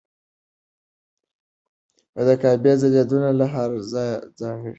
د کعبې ځلېدنه له هر زاویې ځانګړې ښکاري.